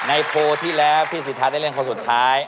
โพลที่แล้วพี่สิทธาได้เล่นคนสุดท้าย